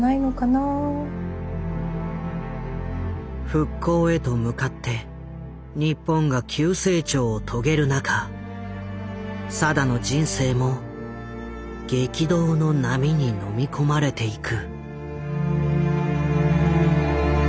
復興へと向かって日本が急成長を遂げる中定の人生も激動の波にのみ込まれていく。